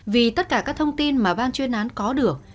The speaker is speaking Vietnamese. vì tất cả các thông tin mà ban chuyên án có được